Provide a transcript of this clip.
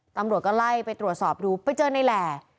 ตำรวจก็ไล่ไปตรวจสอบดูไปเจอในแหล่